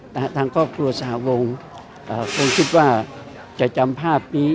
ทางครอบครัวสหวงอ่าคงคิดว่าจะจำภาพนี้